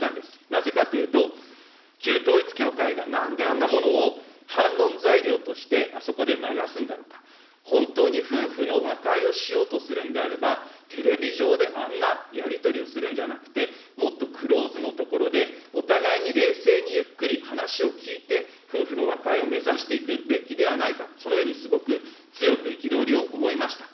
なぜかというと、旧統一教会がなんであんなものを反論材料としてあそこで流すんだろうか、本当に夫婦の和解をしようとするんであれば、テレビ上であんなやり取りをするんじゃなくて、もっとクローズの所で、お互いに冷静にゆっくり話を聞いて、夫婦の和解を目指していくべきではないか、そのようにすごく強く憤りを思いました。